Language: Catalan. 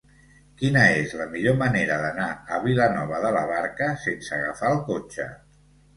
Quina és la millor manera d'anar a Vilanova de la Barca sense agafar el cotxe?